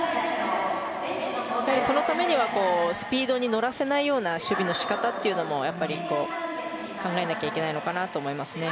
そのためにはスピードに乗らせないような守備の仕方も考えなきゃいけないのかなと思いますよね。